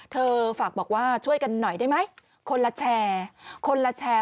เธอฝากบอกว่าช่วยกันหน่อยได้ไหมคนละแชร์คนละแชร์